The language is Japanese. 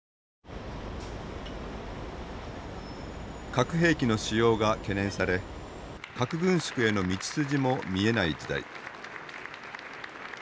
核兵器の使用が懸念され核軍縮への道筋も見えない時代。